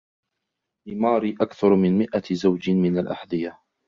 لِماري أكثر من مئة زوجٍ من الأحذية.